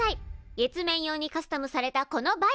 月面用にカスタムされたこのバイク。